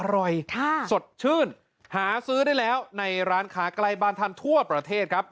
อร่อยสดชื่นหาซื้อได้แล้วในร้านค้าใกล้บ้านท่านทั่วประเทศครับ